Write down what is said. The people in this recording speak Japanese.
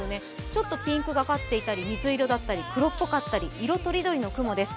ちょっとピンクがかっていたり水色だったり、黒っぽかったり色とりどりの雲です。